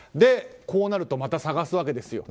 こうなるとまた捜すわけです。